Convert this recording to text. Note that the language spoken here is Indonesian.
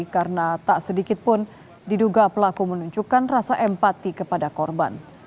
karena tak sedikit pun diduga pelaku menunjukkan rasa empati kepada korban